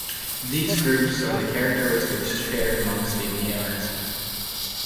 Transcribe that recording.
These groups are the characteristics shared among the amino acids.